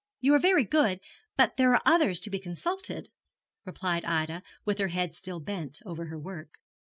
'You are very good: but there are others to be consulted,' replied Ida, with her head still bent over her work.